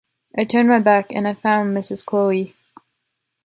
I turned my back and I found Mrs. Chole